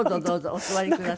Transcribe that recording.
お座りください。